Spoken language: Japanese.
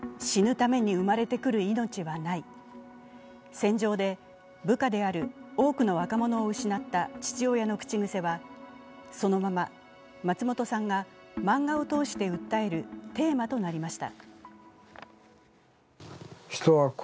戦場で部下である多くの若者を失った父親の口癖はそのまま松本さんが漫画を通して訴えるテーマとなりました。